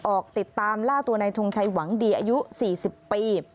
ออกติดตามล่าตัวนายทงชัยหวังดีอายุ๔๐ปี